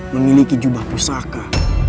memiliki jubah pusaka